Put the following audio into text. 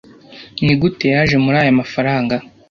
Nigute yaje muri aya mafaranga?